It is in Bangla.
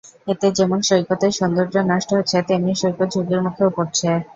এতে যেমন সৈকতের সৌন্দর্য নষ্ট হচ্ছে, তেমনি সৈকত ঝুঁকির মুখেও পড়ছে।